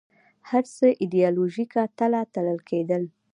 هر څه ایدیالوژیکه تله تلل کېدل